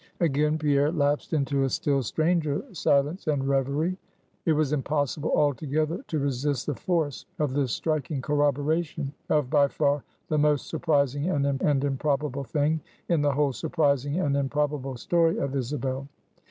Again Pierre lapsed into a still stranger silence and revery. It was impossible altogether to resist the force of this striking corroboration of by far the most surprising and improbable thing in the whole surprising and improbable story of Isabel.